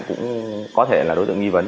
cũng có thể là đối tượng nghi vấn